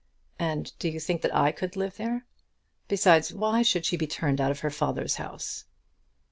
"And do you think that I could live there? Besides, why should she be turned out of her father's house?"